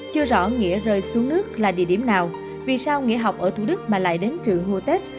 chưa rõ nghĩa rơi xuống nước là địa điểm nào vì sao nghỉ học ở thủ đức mà lại đến trường mùa tết